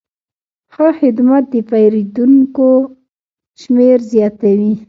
ښه خدمت د پیرودونکو شمېر زیاتوي.